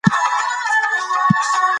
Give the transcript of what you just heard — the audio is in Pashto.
تضاد او اختلاف پر ټولنیز تحول اغېزه لري.